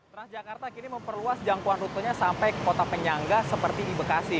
transjakarta kini memperluas jangkauan rutenya sampai ke kota penyangga seperti di bekasi